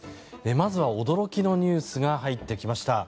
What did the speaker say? まずは驚きのニュースが入ってきました。